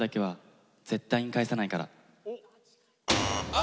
あ！